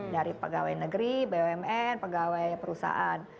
dari pegawai negeri bumn pegawai perusahaan